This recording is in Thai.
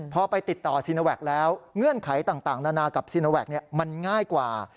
พอไปติดต่อซีโนแวคแล้วเงื่อนไขต่างนานากับซีโนแวคมันง่ายกว่า